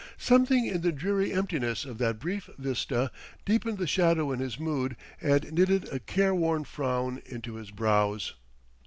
Something in the dreary emptiness of that brief vista deepened the shadow in his mood and knitted a careworn frown into his brows.